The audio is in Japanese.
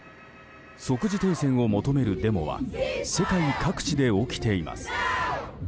即時停戦を求めるデモは世界各地で起きています。